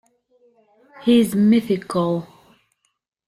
He's mythical.